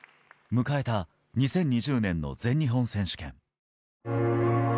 迎えた２０２０年の全日本選手権。